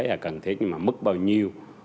là cần thiết nhưng mà mức bao nhiêu